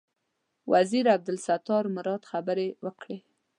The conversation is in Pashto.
وزیر عبدالستار مراد خبرې وکړې.